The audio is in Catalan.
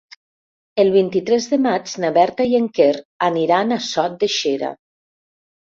El vint-i-tres de maig na Berta i en Quer aniran a Sot de Xera.